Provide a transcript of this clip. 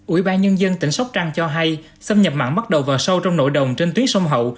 ủy ban nhân dân tỉnh sóc trăng cho hay xâm nhập mặn bắt đầu vào sâu trong nội đồng trên tuyến sông hậu